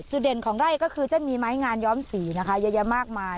เด่นของไร่ก็คือจะมีไม้งานย้อมสีนะคะเยอะแยะมากมาย